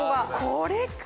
これか！